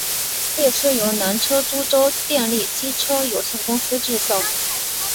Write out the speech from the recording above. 列车由南车株洲电力机车有限公司制造。